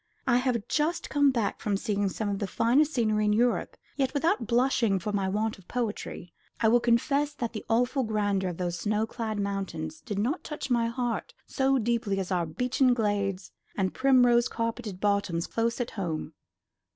I have just come back from seeing some of the finest scenery in Europe; yet, without blushing for my want of poetry, I will confess that the awful grandeur of those snow clad mountains did not touch my heart so deeply as our beechen glades and primrose carpeted bottoms close at home."